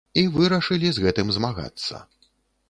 І вырашылі з гэтым змагацца.